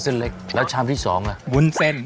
เส้นเล็กแล้วชามที่สองล่ะวุ้นเส้น